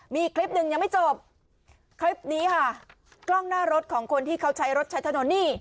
มีคลิปหนึ่งยังไม่จบคลิปนี้ค่ะกล้องหน้ารถของคนที่เขาใช้รถใช้ถนนนี่